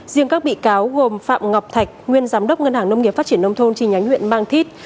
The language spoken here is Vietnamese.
riêng các bị cáo gồm phạm ngọc thạch nguyên giám đốc ngân hàng nông nghiệp phát triển nông thôn chi nhánh huyện mang thít